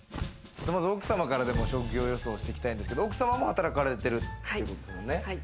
奥様から職業予想していきたいんですが、奥様も働かれてるということですもんね。